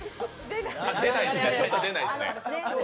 ちょっと出ないですね。